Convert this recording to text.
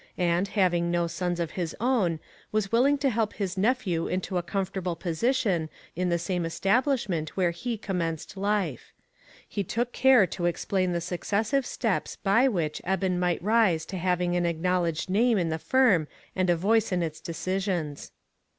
437 and, having no sons of his own, was willing to help his nephew into a comfortable posi tion in the same establishment where he commenced life. He took care to explain the successive steps by which Eben might rise to having an acknowledged name in the firm and a voice in, its decisions.